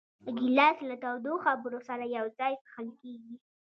ګیلاس له تودو خبرو سره یو ځای څښل کېږي.